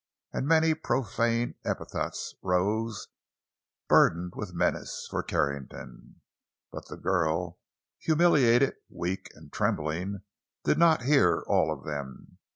And many profane epithets rose, burdened with menace, for Carrington. But the girl, humiliated, weak, and trembling, did not hear all of them.